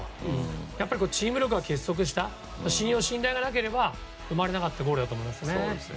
やっぱりチーム力が結束した信用、信頼がなければ生まれなかったゴールだと思いましたね。